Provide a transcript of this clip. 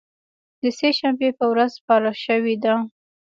د سې شنبې په ورځ سپارل شوې ده